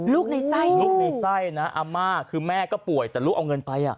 ลูกในไส้ลูกในไส้นะอาม่าคือแม่ก็ป่วยแต่ลูกเอาเงินไปอ่ะ